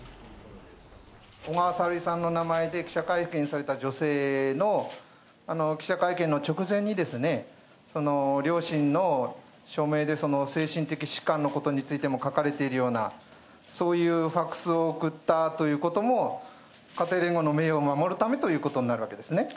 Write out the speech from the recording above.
小川さゆりさんの名前で記者会見された女性の記者会見の直前に、両親の署名で精神的疾患のことについても書かれているような、そういうファックスを送ったということも、家庭連合の名誉を守るためということになるわけですね。